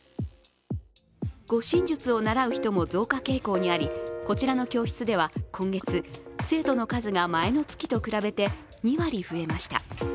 護身術を習う人も増加傾向にありこちらの教室では今月、生徒の数が前の月と比べて２割増えました。